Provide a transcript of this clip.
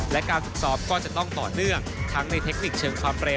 และการฝึกซ้อมก็จะต้องต่อเนื่องทั้งในเทคนิคเชิงความเร็ว